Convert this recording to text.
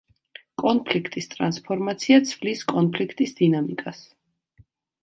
კონფლიქტის ტრანსფორმაცია ცვლის კონფლიქტის დინამიკას.